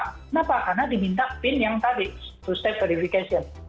kenapa karena diminta pin yang tadi to step verification